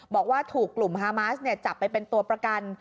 บอกว่าถูกกลุ่มฮามาสจับไปเป็นตัวประกัน